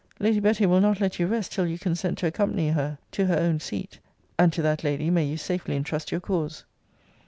] Lady Betty will not let you rest till you consent to accompany her to her own seat and to that lady may you safely intrust your cause.